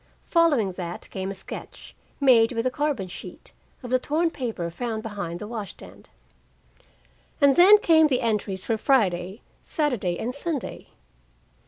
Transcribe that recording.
Following that came a sketch, made with a carbon sheet, of the torn paper found behind the wash stand: And then came the entries for Friday, Saturday and Sunday.